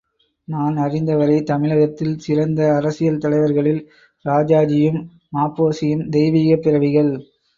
நான் அறிந்த வரை தமிழகத்தில் சிறந்த அரசியல் தலைவர்களில் ராஜாஜியும், ம.பொ.சியும் தெய்வீகப் பிறவிகள்!